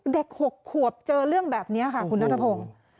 ๖ขวบเจอเรื่องแบบนี้ค่ะคุณนัทพงศ์